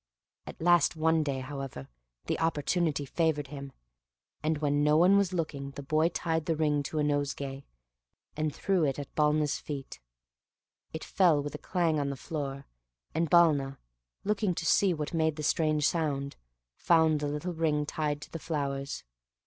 At last one day, however, opportunity favored him, and when no one was looking the boy tied the ring to a nosegay, and threw it at Balna's feet. It fell with a clang on the floor, and Balna, looking to see what made the strange sound, found the little ring tied to the flowers.